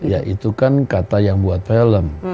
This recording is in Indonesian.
ya itu kan kata yang buat film